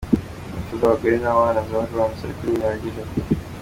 Imfu z’abagore n’abana zaragabanutse ariko ntibihagije…